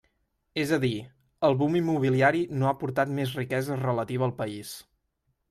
És a dir, el boom immobiliari no ha portat més riquesa relativa al país.